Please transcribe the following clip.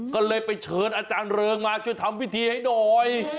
ก็เลยไปเชิญอาจารย์เริงมาช่วยทำพิธีให้หน่อย